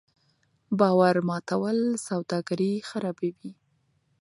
باور ماتول سوداګري خرابوي.